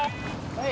はい！